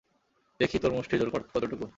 দেখি, তোর মুষ্টির জোর কতটুকু।